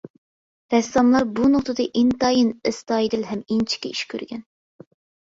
رەسساملار بۇ نۇقتىدا ئىنتايىن ئەستايىدىل ھەم ئىنچىكە ئىش كۆرگەن.